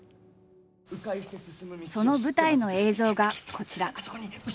その舞台の映像がこちら。